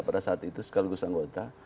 pada saat itu sekaligus anggota